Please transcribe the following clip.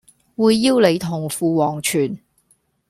會邀你同赴黃泉